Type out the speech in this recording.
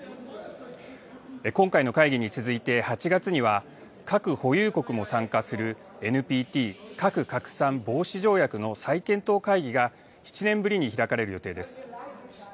今回の会議に続いて８月には、核保有国も参加するＮＰＴ・核拡散防止条約の再検討会議が、７年ぶりに開かれる予定です。